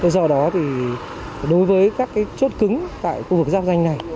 do đó thì đối với các chốt cứng tại khu vực giáp danh này